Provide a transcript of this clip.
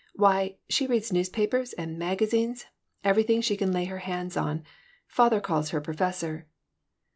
Why, she reads newspapers and magazines everything she can lay her hands on! Father calls her Professor."